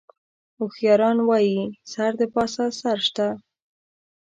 هوښیاران وایي: سر د پاسه سر شته.